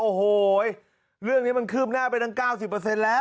โอ้โหเรื่องนี้มันคืบหน้าไปตั้ง๙๐แล้ว